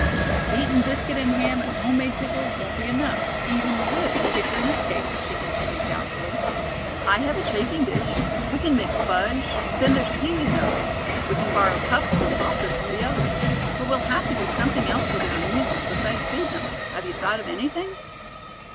But beaten biscuit and ham and home made pickles won't be enough, even with hickory nut cake," she continued doubtfully. "I have a chafing dish. We can make fudge; then there's tea, you know. We can borrow cups and saucers from the others. But we'll have to do something else for their amusement besides feed them. Have you thought of anything?"